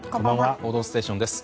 「報道ステーション」です。